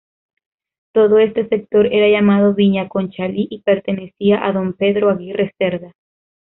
Todo este sector era llamado Viña Conchalí y pertenecía a don Pedro Aguirre Cerda.